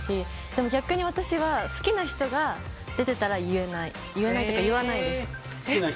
でも逆に私は好きな人が出ていたら言えないっていうか言わないです。